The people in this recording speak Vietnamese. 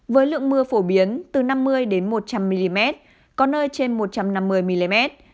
với lượng mưa phổ biến từ năm mươi một trăm linh mm có nơi trên một trăm năm mươi mm